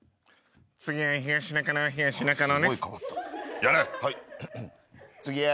次は東中野東中野。